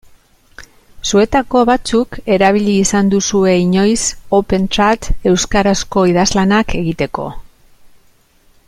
Zuetako batzuk erabili izan duzue inoiz Opentrad euskarazko idazlanak egiteko.